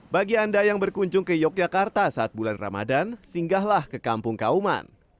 bagi anda yang berkunjung ke yogyakarta saat bulan ramadan singgahlah ke kampung kauman